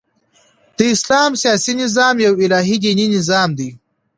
د اسلام سیاسي نظام یو الهي دیني نظام دئ.